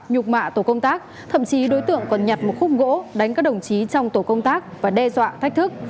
nhục mạ tổ công tác thậm chí đối tượng còn nhặt một khúc gỗ đánh các đồng chí trong tổ công tác và đe dọa thách thức